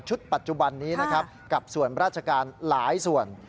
ปัจจุบันนี้นะครับกับส่วนราชการหลายส่วน